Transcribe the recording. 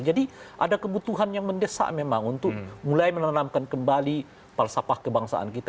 jadi ada kebutuhan yang mendesak memang untuk mulai menanamkan kembali palsapah kebangsaan kita